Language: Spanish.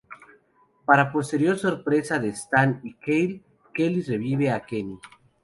Para posterior sorpresa de Stan y Kyle, Kelly revive a Kenny.